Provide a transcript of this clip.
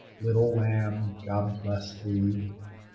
Little lamb, God bless thee!